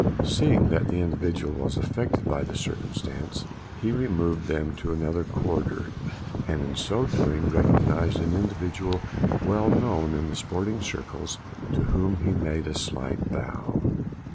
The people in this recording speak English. Seeing that the individual was affected by the circumstance, he removed them to another quarter, and in so doing recognised an individual well known in the sporting circles, to whom he made a slight bow.